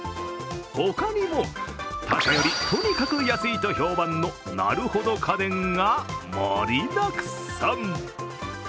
他にも、他社よりとにかく安いと評判のなるほど家電が盛りだくさん。